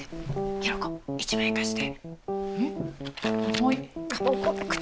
ヒロコ１万円貸して。